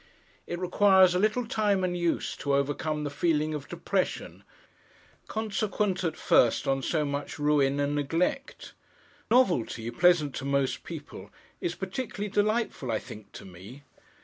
It requires a little time and use to overcome the feeling of depression consequent, at first, on so much ruin and neglect. Novelty, pleasant to most people, is particularly delightful, I think, to me.